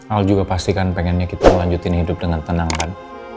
al juga pasti kan pengennya kita lanjutin hidup dengan tenang kan